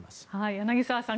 柳澤さん。